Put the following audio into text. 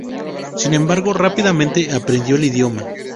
Sin embargo, rápidamente aprendió el idioma.